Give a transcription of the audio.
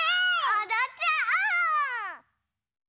おどっちゃおう！